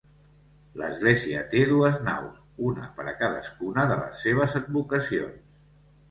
L'església té dues naus, una per a cadascuna de les seves advocacions.